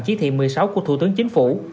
chỉ thị một mươi sáu của thủ tướng chính phủ